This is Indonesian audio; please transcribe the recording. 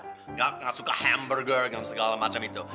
tidak suka hamburger dan segala macam itu